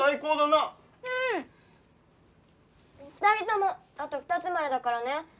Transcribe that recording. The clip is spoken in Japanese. ２人ともあと２つまでだからね。